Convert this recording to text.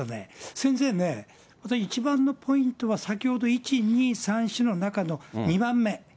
先生ね、一番のポイントは、先ほど、１、２、３、４の中の２番目。